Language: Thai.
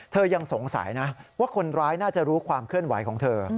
ยังสงสัยนะว่าคนร้ายน่าจะรู้ความเคลื่อนไหวของเธอ